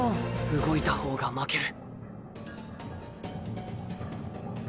動いた方が負ける。